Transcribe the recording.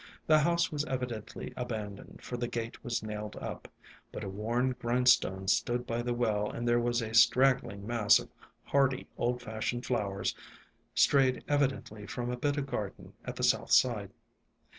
The house was evidently aban doned, for the gate was nailed up ; but a worn grindstone stood by the well and there was a strag gling mass of hardy old fashioned flowers, strayed evidently from a bit of garden at the south side.